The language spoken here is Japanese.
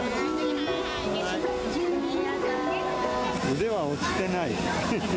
腕は落ちていない。